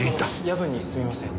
夜分にすみません。